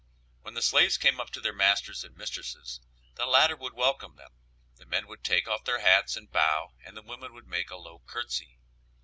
When the slaves came up to their masters and mistresses, the latter would welcome them, the men would take off their hats and bow and the women would make a low courtesy.